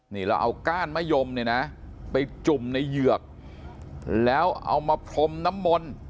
นี่เราเอาก้านมะยมเนี่ยนะไปจุ่มในเหยือกแล้วเอามาพรมน้ำมนต์